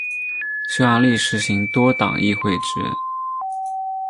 匈牙利实行多党议会制。